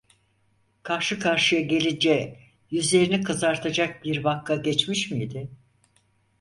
Karşı karşıya gelince yüzlerini kızartacak bir vaka geçmiş miydi?